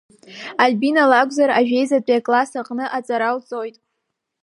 Альбина лакәзар ажәеизатәи акласс аҟны аҵара лҵоит.